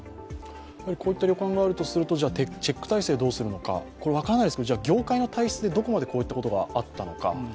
こういった旅館があるとするとチェック体制どうするのか、わからないですけど業界の体質では、どこまでこういうことがあったのか。